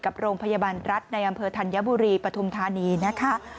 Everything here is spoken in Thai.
กับโรงพยาบาลรัฐในอำเภอธัญบุรีปฐุมธานีนะคะ